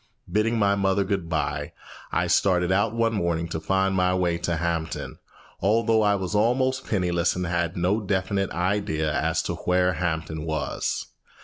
Bidding my mother good by, I started out one morning to find my way to Hampton, although I was almost penniless and had no definite idea as to where Hampton was.